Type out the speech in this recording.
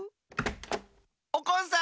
おこんさん！